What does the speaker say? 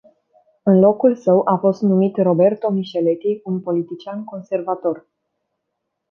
În locul său a fost numit Roberto Michelletti, un politician conservator.